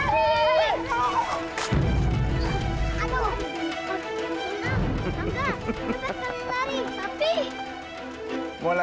mau lari kemana kalian